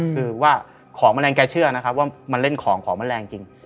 คือว่าของแมลงแกเชื่อนะครับว่ามันเล่นของของแมลงจริง